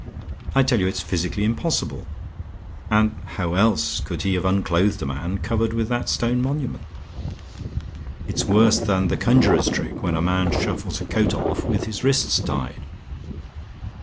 I tell you it's physically impossible. And how else could he have unclothed a man covered with that stone monument? It's worse than the conjurer's trick, when a man shuffles a coat off with his wrists tied."